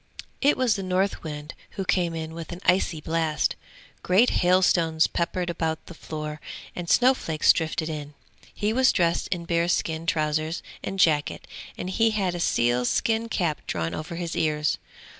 It was the Northwind who came in with an icy blast; great hailstones peppered about the floor and snow flakes drifted in. He was dressed in bearskin trousers and jacket, and he had a sealskin cap drawn over his ears.